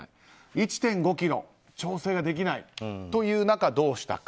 １．５ｋｇ、調整ができないという中、どうしたか。